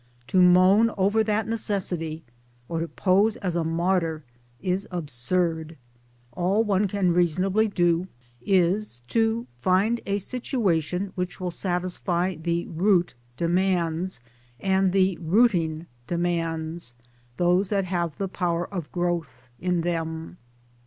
To moan over that necessity or to pose as a martyr is absurd. All one can reasonably do is to find a situation which will satisfy the root demands, and the rooting demands those that have the power of growth in them.